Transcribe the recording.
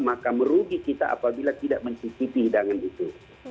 maka merugi kita apabila tidak mencicipi hidangan itu